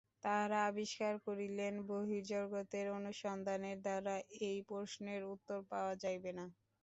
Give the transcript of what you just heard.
তাঁহারা আবিষ্কার করিলেন, বহির্জগতের অনুসন্ধানের দ্বারা এই প্রশ্নের উত্তর পাওয়া যাইবে না।